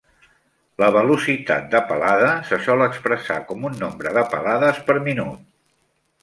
La velocitat de palada se sol expressar com un nombre de palades per minut.